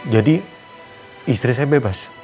jadi istri saya bebas